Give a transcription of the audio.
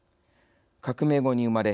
革命後に生まれ